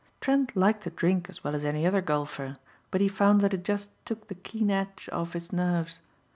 Trent liked a drink as well as any other golfer, but he found that it just took the keen edge off his nerves.